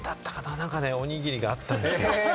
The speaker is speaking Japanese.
何かね、おにぎりがあったんですよ。